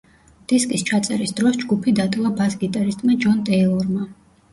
დისკის ჩაწერის დროს ჯგუფი დატოვა ბას-გიტარისტმა ჯონ ტეილორმა.